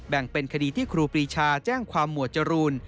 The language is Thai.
แบ่งเป็นคดีที่ครูปรีชาแจ้งความหมวดจรูน